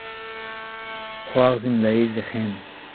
C'hoarzhin leizh e c'henoù.